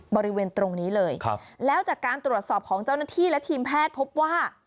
บริเวณตรงนี้เลยครับแล้วจากการตรวจสอบของเจ้าหน้าที่และทีมแพทย์พบว่า